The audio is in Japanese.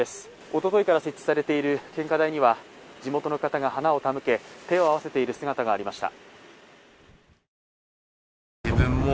おとといから設置されている献花台には地元の方が花を手向け、手を合わせている姿がありました。